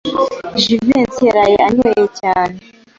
Jivency yaraye anyweye cyane.